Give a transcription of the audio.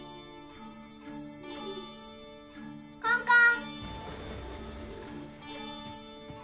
・コンコン。